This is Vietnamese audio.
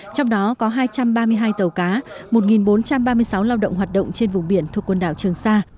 trong đó có hai trăm ba mươi hai tàu cá một bốn trăm ba mươi sáu lao động hoạt động trên vùng biển thuộc quần đảo trường sa